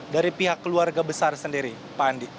dari pihak keluarga besar ini